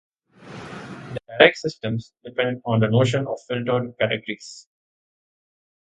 Direct systems depend on the notion of "filtered categories".